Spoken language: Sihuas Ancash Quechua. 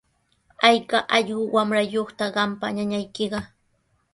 ¿Ayka ullqu wamrayuqtaq qampa ñañaykiqa?